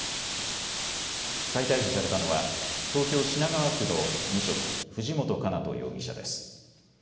再逮捕されたのは東京品川区の無職、藤本叶人容疑者です。